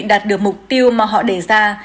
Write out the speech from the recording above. đạt được mục tiêu mà họ đề ra